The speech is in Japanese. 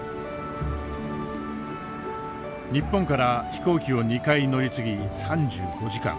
日本から飛行機を２回乗り継ぎ３５時間。